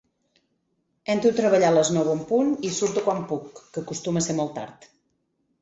Entro a treballar a les nou en punt i surto quan puc, que acostuma a ser molt tard.